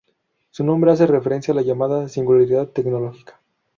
Su nombre hace referencia a la llamada singularidad tecnológica.